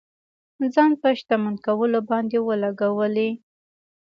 ځان په شتمن کولو باندې ولګولې.